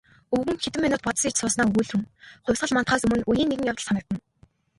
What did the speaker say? Өвгөн хэдэн минут бодос хийж сууснаа өгүүлрүүн "Хувьсгал мандахаас өмнө үеийн нэгэн явдал санагдана".